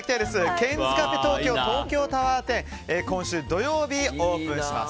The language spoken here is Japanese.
ケンズカフェ東京ＴＯＫＹＯタワー店今週土曜日オープンします。